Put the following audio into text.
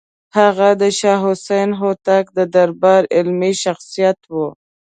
هغه د شاه حسین هوتک د دربار علمي شخصیت و.